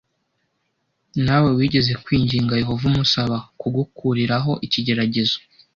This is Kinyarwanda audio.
nawe wigeze kwinginga Yehova umusaba kugukuriraho ikigeragezo